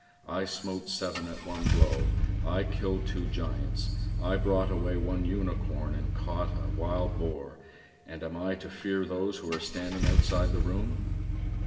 I smote seven at one blow. I killed two giants, I brought away one unicorn and caught a wild boar, and am I to fear those who are standing outside the room."